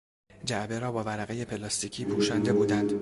جعبه را با ورقهی پلاستیکی پوشانده بودند.